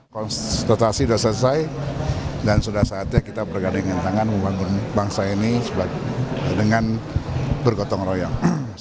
konsultasi sudah selesai dan sudah saatnya kita bergandingan tangan membangun bangsa ini dengan bergotong royong